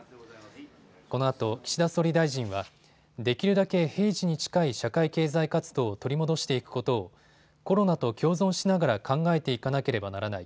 このあと岸田総理大臣はできるだけ平時に近い社会経済活動を取り戻していくことをコロナと共存しながら考えていかなければならない。